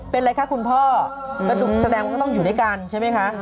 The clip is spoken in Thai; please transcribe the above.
เป็นอะไรคะคุณพ่อก็แสดงว่าก็ต้องอยู่ด้วยกันใช่ไหมคะ